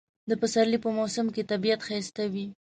د پسرلی په موسم کې طبیعت ښایسته وي